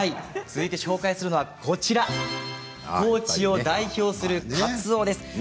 続いて紹介するのは高知を代表する、かつおです。